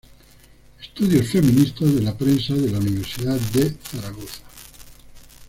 Estudios feministas" de la Prensas de la Universidad de Zaragoza.